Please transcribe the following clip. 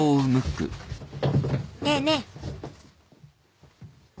ねえねえ。